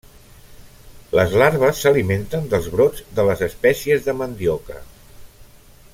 Les larves s'alimenten dels brots de les espècies de mandioca.